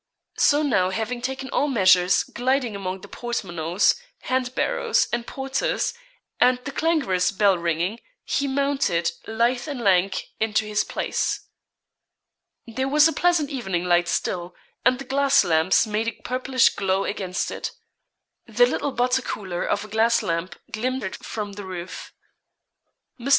So now having taken all measures, gliding among the portmanteaus, hand barrows, and porters, and the clangorous bell ringing, he mounted, lithe and lank, into his place. There was a pleasant evening light still, and the gas lamps made a purplish glow against it. The little butter cooler of a glass lamp glimmered from the roof. Mr.